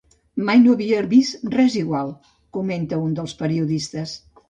Mai no havia vist res igual, comenta un dels periodistes.